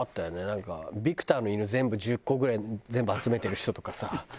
なんかビクターの犬全部１０個ぐらい全部集めてる人とかさ。